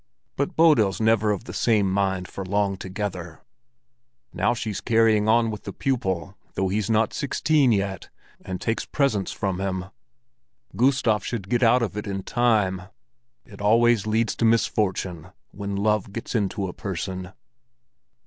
But Bodil's never of the same mind for long together. Now she's carrying on with the pupil, though he's not sixteen yet, and takes presents from him. Gustav should get out of it in time; it always leads to misfortune when love gets into a person.